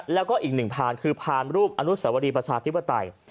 แล้วก็อีกหนึ่งพานคือพานรูปอนุสวรีประชาธิปไตย